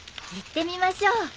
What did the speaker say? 行ってみましょう。